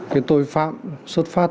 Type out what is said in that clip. cái tội phạm xuất phát